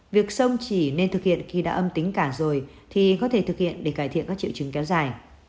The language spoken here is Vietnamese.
việc xong chỉ nên thực hiện khi đã âm tính cả rồi thì có thể thực hiện để cải thiện các triệu chứng kéo dài